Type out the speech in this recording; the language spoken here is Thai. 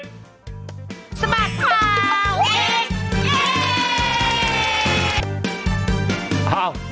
สมัติข่าวเด็ก